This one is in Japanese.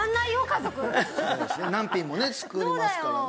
何品もね作りますからね